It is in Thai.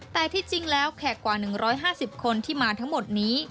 แต่ที่จริงแล้วแขกกว่า๑๕๐คนที่มาทั้งหมดนี้